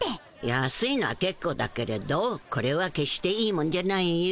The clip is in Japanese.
安いのはけっこうだけれどこれは決していいもんじゃないよ。